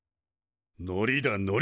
のりだのり！